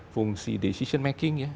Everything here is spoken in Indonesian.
fungsi decision making ya